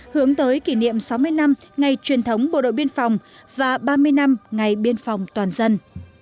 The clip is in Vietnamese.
hướng tới kỷ niệm sáu mươi năm ngày truyền thống bộ đội biên phòng và ba mươi năm ngày biên phòng toàn dân